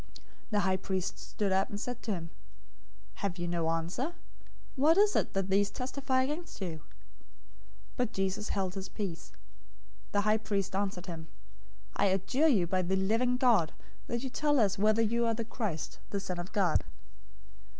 '" 026:062 The high priest stood up, and said to him, "Have you no answer? What is this that these testify against you?" 026:063 But Jesus held his peace. The high priest answered him, "I adjure you by the living God, that you tell us whether you are the Christ, the Son of God."